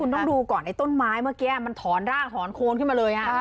ต้องดูก่อนไอ้ต้นไม้เมื่อกี้มันถอนรากถอนโคนขึ้นมาเลย